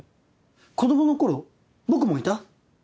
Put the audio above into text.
子供の頃僕もいた？